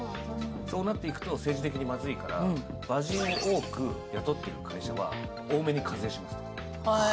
そうなっていくと政治的にまずいから馬人を多く雇っている会社は多めに課税します。